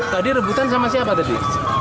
tadi rebutan sama siapa tadi